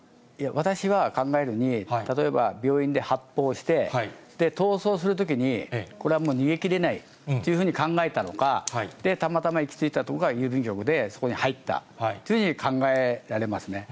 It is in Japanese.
私は、考えるに、例えば病院で発砲して、逃走するときに、これはもう逃げきれないというふうに考えたのか、たまたま行き着いた所が郵便局で、そこに入ったというふうに考えられますね。